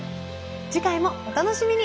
次回もお楽しみに。